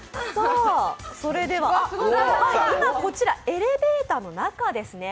今、こちらエレベーターの中です。